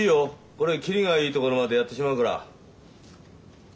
これ切りがいいところまでやってしまうから。